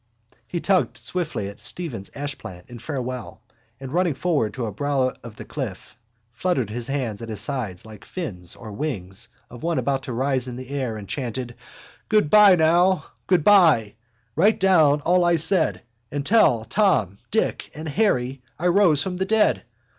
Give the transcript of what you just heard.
_ He tugged swiftly at Stephen's ashplant in farewell and, running forward to a brow of the cliff, fluttered his hands at his sides like fins or wings of one about to rise in the air, and chanted: _—Goodbye, now, goodbye! Write down all I said And tell Tom, Dick and Harry I rose from the dead.